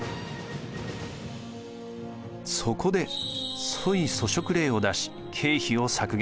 そこで粗衣粗食令を出し経費を削減。